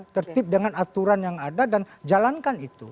tertib dengan aturan yang ada dan jalankan itu